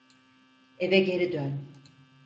Eve geri dön.